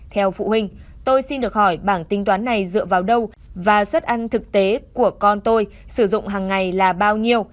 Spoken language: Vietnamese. theo phụ huynh tôi xin được hỏi bảng tinh toán này dựa vào đâu và xuất ăn thực tế của con tôi sử dụng hằng ngày là bao nhiêu